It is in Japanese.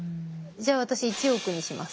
じゃあ私１億にします。